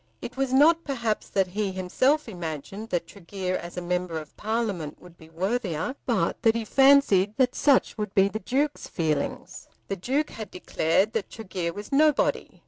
It was not perhaps that he himself imagined that Tregear as a member of Parliament would be worthier, but that he fancied that such would be the Duke's feelings. The Duke had declared that Tregear was nobody.